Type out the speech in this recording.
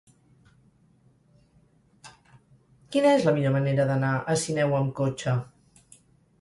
Quina és la millor manera d'anar a Sineu amb cotxe?